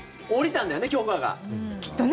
きっとね。